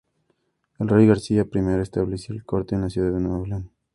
El rey García I estableció su Corte en la ciudad de León.